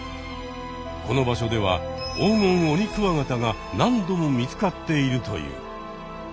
この場所ではオウゴンオニクワガタが何度も見つかっているという。